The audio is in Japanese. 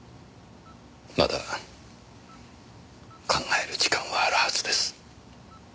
まだ考える時間はあるはずです。